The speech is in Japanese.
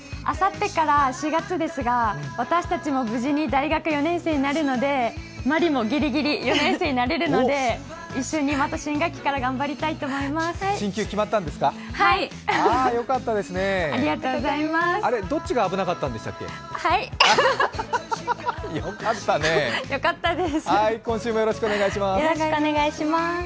あさってから４月ですが私たちも無事に大学生になれるのでまりもギリギリ４年生になれるので一緒にまた新学期から頑張りたいと思います。